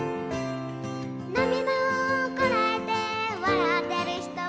「涙をこらえて笑っている人は」